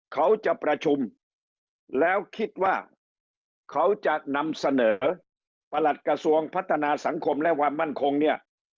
เขาจะประชุมแล้วคิดว่าเขาจะนำเสนอประหลัดกระทรวงพัฒนาสังคมและความมั่นคงเนี่ย